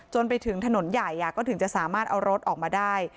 ไปถึงถนนใหญ่ก็ถึงจะสามารถเอารถออกมาได้